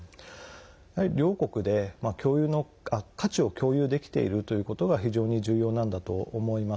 やはり両国で、価値を共有できているということが非常に重要なんだと思います。